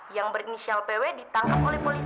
yang berinisial pw ditangkap oleh polisi